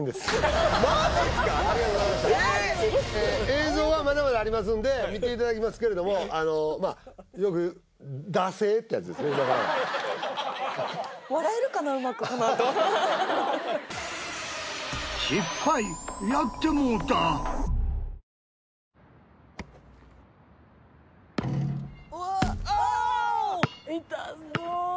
映像はまだまだありますんで見ていただきますけれどもあのまあよくやってもうた！